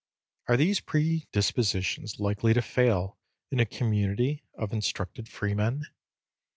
Are these predispositions likely to fail in a community of instructed freemen?